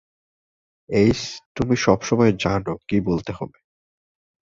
এইস, তুমি সবসময় জানো কী বলতে হবে।